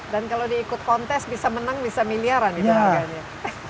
dan kalau diikut kontes bisa menang bisa miliaran itu harganya